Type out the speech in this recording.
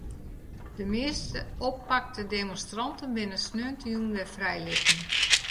De measte oppakte demonstranten binne sneontejûn wer frijlitten.